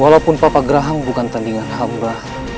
walaupun papa gerahang bukan tandingan hamba